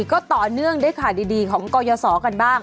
ก็ต่อเนื่องด้วยข่าวดีของกรยศกันบ้าง